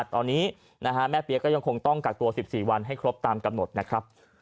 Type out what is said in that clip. ตอนนี้แม่เปี๊ยกก็ยังคงต้องกักตัว๑๔วันให้ครบตามกำหนดนะครับ